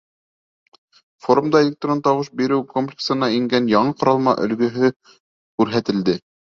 Форумда электрон тауыш биреү комплексына ингән яңы ҡоролма өлгөһө күрһәтелде.